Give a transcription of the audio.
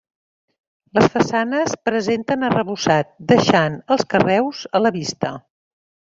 Les façanes presenten arrebossat deixant els carreus a la vista.